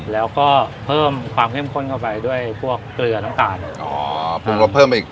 แล้วก็เพิ่มความเข้มข้นเข้าไปด้วยพวกเกลือน้ำตาลอ๋อปรุงรสเพิ่มไปอีก